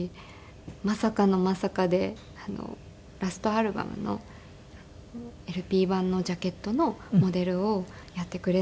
まさかのまさかでラストアルバムのＬＰ盤のジャケットのモデルをやってくれないかという。